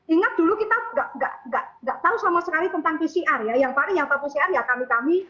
ingat dulu kita nggak tahu sama sekali tentang pcr ya yang paling nyata pcr ya kami kami